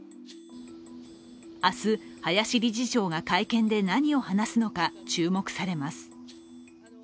明日、林理事長が会見で何を話すのか注目されます。